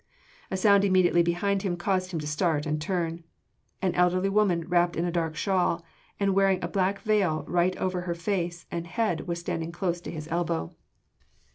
A sound immediately behind him caused him to start and to turn. An elderly woman wrapped in a dark shawl and wearing a black veil right over her face and head was standing close to his elbow.